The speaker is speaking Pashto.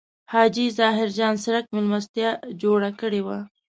حاجي ظاهر جان څرک مېلمستیا جوړه کړې وه.